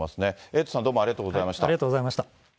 エイトさん、どうもありがとうございました。